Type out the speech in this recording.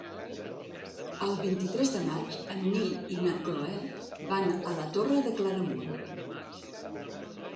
El vint-i-tres de maig en Nil i na Cloè van a la Torre de Claramunt.